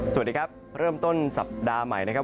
สวัสดีครับเริ่มต้นสัปดาห์ใหม่นะครับ